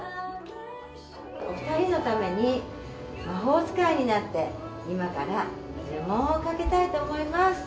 ２人のために魔法使いになって今から呪文をかけたいと思います。